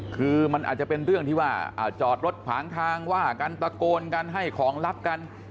คือมันอาจจะเป็นเรื่องที่ว่าจอดรถขวางทางว่ากันตะโกนกันให้ของลับกัน